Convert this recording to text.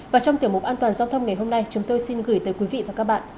và trong tiểu mục an toàn giao thông ngày hôm nay chúng tôi xin gửi tới quý vị và các bạn